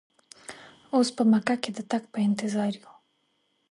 اوس په مکه کې د تګ په انتظار یو.